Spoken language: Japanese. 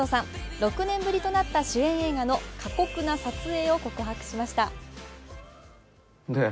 ６年ぶりとなった主演映画の過酷な撮影を告白しました。